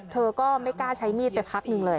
เธอก็ไม่กล้าใช้มีดไปพักหนึ่งเลย